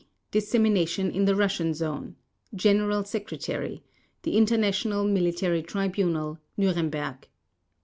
Dissemination in the Russian Zone General Secretary, The International Military Tribunal, Nuremberg.